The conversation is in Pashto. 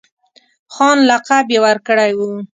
خان لقب یې ورکړی وو.